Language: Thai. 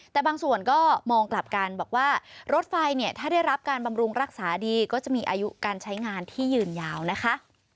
แต่บางส่วนก็มองกลับกันบอกว่ารถไฟเนี่ยถ้าได้รับการบำรุงรักษาดีก็จะมีอายุการใช้งานที่ยืนยาวนะคะ